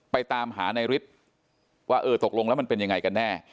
ตามหานายฤทธิ์ว่าเออตกลงแล้วมันเป็นยังไงกันแน่